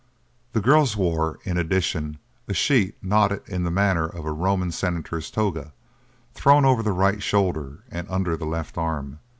The girls wore, in addition, a sheet knotted in the manner of a Roman senator's toga, thrown over the right shoulder and under the left arm.